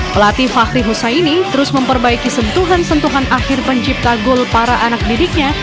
pelatih fahri husaini terus memperbaiki sentuhan sentuhan akhir pencipta gol para anak didiknya